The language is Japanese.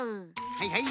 はいはい。